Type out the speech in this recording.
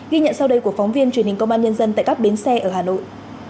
ghi nhận sau đây của phóng viên truyền hình công an nhân dân tại các bến xe ở hà nội